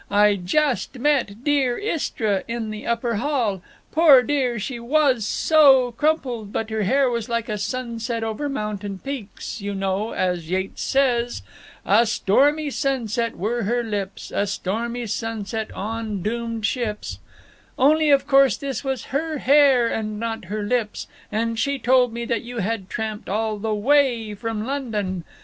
I just met dear Istra in the upper hall. Poor dear, she was so crumpled, but her hair was like a sunset over mountain peaks—you know, as Yeats says: "A stormy sunset were her lips, A stormy sunset on doomed ships, only of course this was her hair and not her lips—and she told me that you had tramped all the way from London.